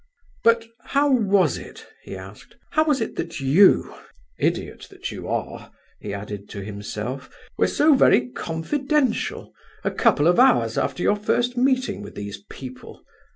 "But how was it?" he asked, "how was it that you (idiot that you are)," he added to himself, "were so very confidential a couple of hours after your first meeting with these people?